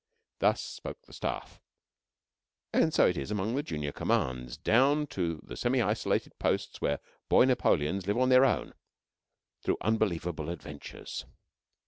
Thus spoke the Staff, and so it is among the junior commands, down to the semi isolated posts where boy Napoleons live on their own, through unbelievable adventures.